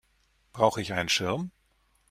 Brauche ich einen Schirm?